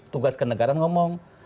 tugas kenegaraan ngomong